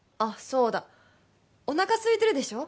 そうだおなかすいてるでしょ？